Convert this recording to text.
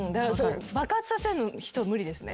爆発させる人無理ですね